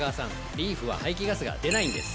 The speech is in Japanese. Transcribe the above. リーフは排気ガスが出ないんです！